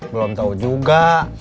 belum tahu juga